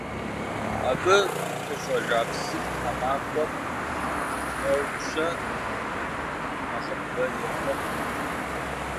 Абы къыщӏэжа псым тхьэмахуэм тӏэу-щэ нэхъыбэ уефэ хъунукъым.